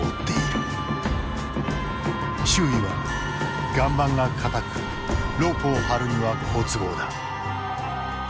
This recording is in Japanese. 周囲は岩盤が固くロープを張るには好都合だ。